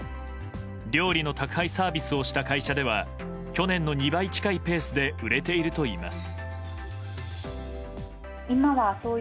料理の宅配サービスをした会社では去年の２倍近いペースで売れているといいます。